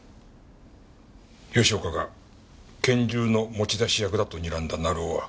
吉岡が拳銃の持ち出し役だと睨んだ成尾は。